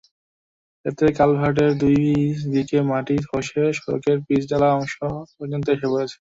এতে কালভার্টের দুই দিকে মাটি ধসে সড়কের পিচঢালা অংশ পর্যন্ত এসে পড়েছে।